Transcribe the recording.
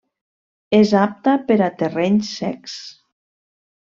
És apta per a terrenys secs.